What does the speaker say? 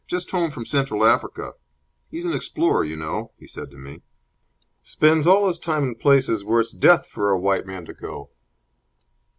Just home from Central Africa. He's an explorer, you know," he said to me. "Spends all his time in places where it's death for a white man to go."